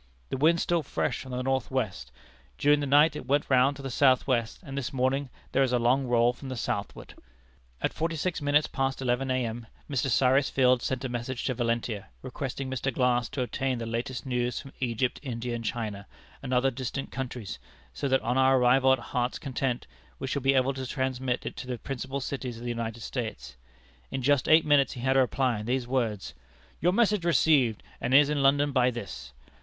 The wind still fresh from the north west. During the night it went round to the southwest, and this morning there is a long roll from the southward. "At forty six minutes past eleven A.M., Mr. Cyrus Field sent a message to Valentia, requesting Mr. Glass to obtain the latest news from Egypt, India, and China, and other distant countries, so that on our arrival at Heart's Content we shall be able to transmit it to the principal cities of the United States. In just eight minutes he had a reply in these words: 'Your message received, and is in London by this.'